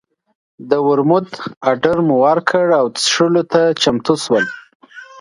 د ورموت اډر مو ورکړ او څښلو ته چمتو شول.